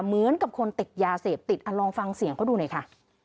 เหมือนกับคนติดยาเสพติดลองฟังเสียงเขาดูหน่อยค่ะ